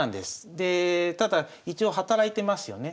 でただ一応働いてますよね。